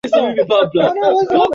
Anaficha hisia